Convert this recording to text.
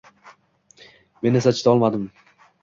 Men esa chidolmadim